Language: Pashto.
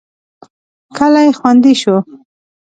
کلی خوندي شو.